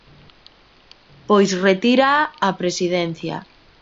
Pois retíraa a Presidencia.